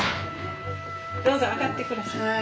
どうぞ上がってください。